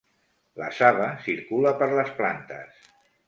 La saba circula per les plantes.